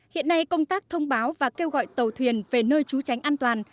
hiện nay công tác thông báo và kêu gọi tàu thuyền về nơi trú tránh an toàn